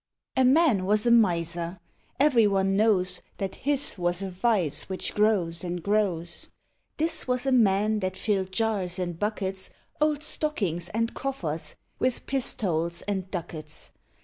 A Man was a Miser; every one knows That his was a vice which grows and grows: This was a man that filled jars and buckets, Old stockings and coffers, with pistoles and ducats.